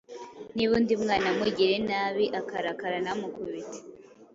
niba undi mwana amugiriye nabi akarakara ntamukubite